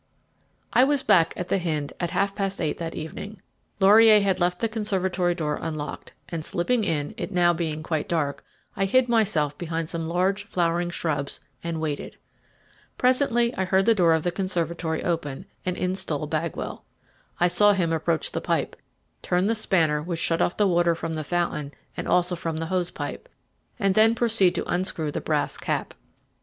I was back again at The Hynde at half past eight that evening. Laurier had left the conservatory door unlocked, and, slipping in, it being now quite dark, I hid myself behind some large flowering shrubs and waited. Presently I heard the door of the conservatory open, and in stole Bagwell. I saw him approach the pipe, turn the spanner which shut off the water from the fountain and also from the hose pipe, and then proceed to unscrew the brass cap.